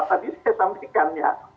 tadi saya sampaikan ya